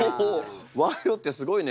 賄賂ってすごいね。